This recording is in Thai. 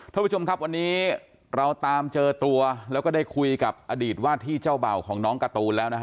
ท่านผู้ชมครับวันนี้เราตามเจอตัวแล้วก็ได้คุยกับอดีตว่าที่เจ้าเบ่าของน้องการ์ตูนแล้วนะฮะ